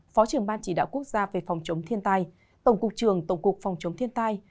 phó trưởng ban chỉ đạo quốc gia về phòng chống thiên tai tổng cục trường tổng cục phòng chống thiên tai